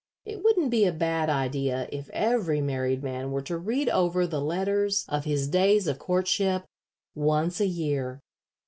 It wouldn't be a bad idea if every married man were to read over the letters of his days of courtship once a year.